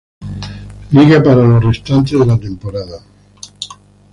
Liga para lo restante de la temporada.